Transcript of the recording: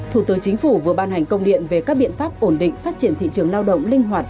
thủ tướng chính phủ vừa ban hành công điện về các biện pháp ổn định phát triển thị trường lao động linh hoạt